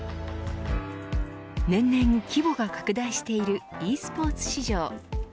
年々規模が拡大しているｅスポーツ市場。